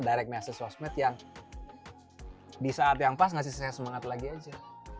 direct messa sosmed yang di saat yang pas ngasih saya semangat lagi aja